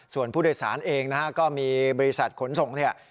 ส่วนผู้โดยสารเองก็มีบริษัทขนส่ง